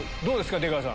出川さん。